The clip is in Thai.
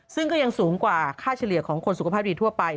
ซึ่งก็ยังสูงกว่าค่าเฉลี่ยของคนสุขภาพดีทั่วไป